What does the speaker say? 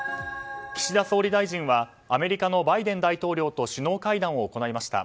岸田総理大臣はアメリカのバイデン大統領と首脳会談を行いました。